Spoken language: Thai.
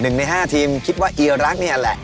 ๑ใน๕ทีมคิดว่าอีลักษณ์เนี่ยแหละ